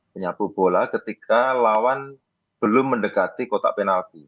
menyapu bola ketika lawan belum mendekati kotak penalti